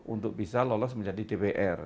untuk bisa lolos menjadi dpr